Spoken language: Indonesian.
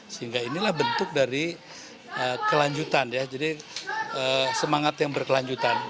sehingga inilah bentuk dari kelanjutan ya jadi semangat yang berkelanjutan